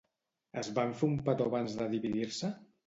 Es van fer un petó abans de dividir-se?